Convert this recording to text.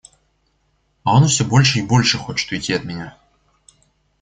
А он всё больше и больше хочет уйти от меня.